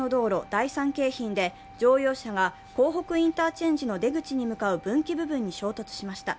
第三京浜で乗用車が港北インターチェンジの出口に向かう分岐部分に衝突しました。